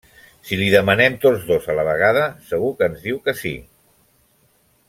Si li demanem tots dos a la vegada segur que ens diu que sí.